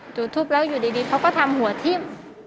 จุดทุบแล้วอยู่ดีเขาก็ทำหัวทิ้ม